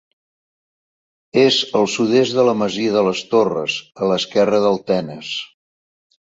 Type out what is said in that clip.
És al sud-est de la masia de les Torres, a l'esquerra del Tenes.